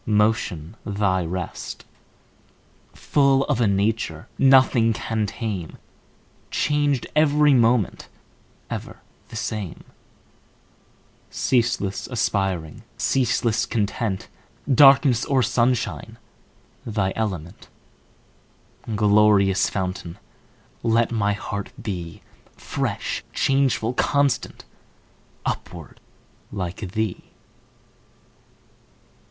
Motion thy rest; Full of a nature Nothing can tame, Changed every moment, Ever the same; Ceaseless aspiring, Ceaseless content, Darkness or sunshine Thy element; Glorious fountain. Let my heart be Fresh, changeful, constant, Upward, like thee!